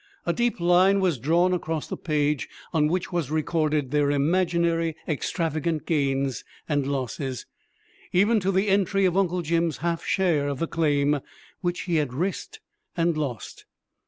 A deep line was drawn across the page on which was recorded their imaginary extravagant gains and losses, even to the entry of Uncle Jim's half share of the claim which he had risked and lost!